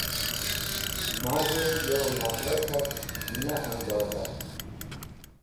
Maz̃hẽ yo nakhra k̃hak ne ẽndoza.